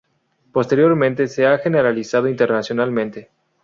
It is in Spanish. Posteriormente se ha generalizado internacionalmente.